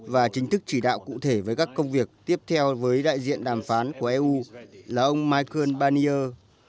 và chính thức chỉ đạo cụ thể với các công việc tiếp theo với đại diện đàm phán của eu là ông michael barnier